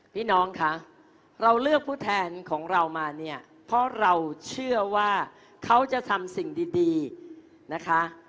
พี่น้องคะเราเลือกผู้แทนของเรามาเนี่ยเพราะเราเชื่อว่าเขาจะทำสิ่งดีนะคะ